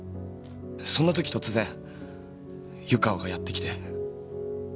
そんな時突然湯川がやってきて。